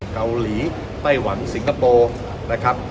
เกาหลีไต้หวังสิงคโปร์